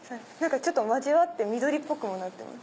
交わって緑っぽくもなってます。